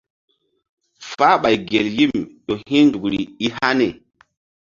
Fáhɓay gel yim ƴo hi̧ nzukri i hani.